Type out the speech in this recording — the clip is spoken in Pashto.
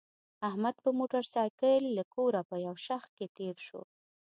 احمد په موټرسایکل له کوره په یو شخ کې تېر شو.